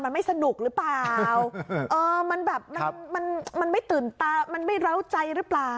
มันไม่สนุกหรือเปล่าเออมันแบบมันมันไม่ตื่นตามันไม่เล้าใจหรือเปล่า